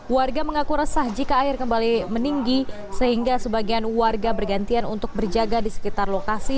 warga mengaku resah jika air kembali meninggi sehingga sebagian warga bergantian untuk berjaga di sekitar lokasi